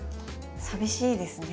寂しいですね。